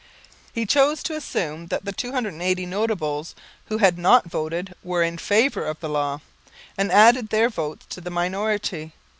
He chose to assume that the 280 notables who had not voted were in favour of the Law, and added their votes to the minority.